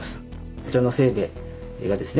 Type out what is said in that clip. こちらの清兵衛がですね